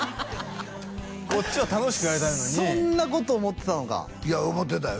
こっちは楽しくやりたいのにそんなこと思ってたのかいや思ってたよ